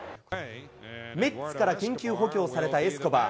メッツから緊急補強されたエスコバー。